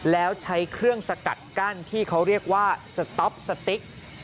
แล้วใช้เครื่องสกัดกั้นที่เขาเรียกว่าสต๊อปสติ๊ก